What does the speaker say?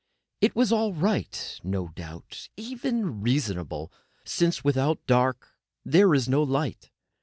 It was all right, no doubt, even reasonable, since without dark there is no light.